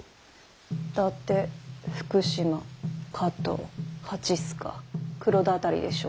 伊達福島加藤蜂須賀黒田辺りでしょうか。